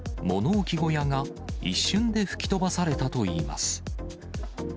物置小屋が一瞬で吹き飛ばされたといいます。